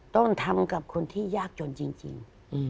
ต้องทำกับคนที่ยากจนจริง